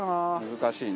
難しいね。